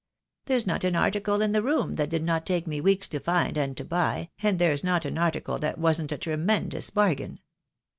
There's not an article in the room that did not take me weeks to find and to buy, and there's not an article that wasn't a tremendous bargain.